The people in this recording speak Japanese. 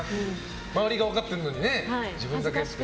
周りが分かってるの自分だけって。